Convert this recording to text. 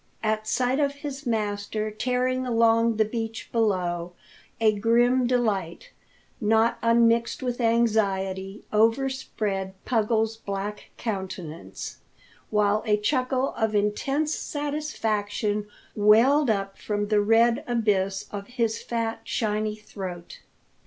At sight of his master tearing along the beach below, a grim delight not unmixed with anxiety overspread Puggles' black countenance, while a chuckle of intense satisfaction welled up from the red abyss of his fat, shiny throat.